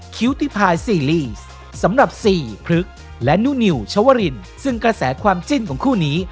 คิ้วติพายซีรีส์สำหรับสี่พฤกษ์และนู่นิวชวรินซึ่งกระแสความจิ้นของคู่นี้